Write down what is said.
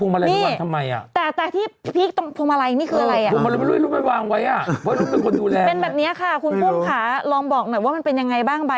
มาเรียบร้อยแล้วอ่าฮะ